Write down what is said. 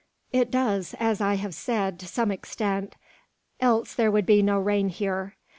"It does, as I have said, to some extent, else there would be no rain here.